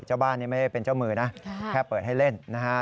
เจ้าบ้านนี้ไม่ได้เป็นเจ้ามือนะแค่เปิดให้เล่นนะฮะ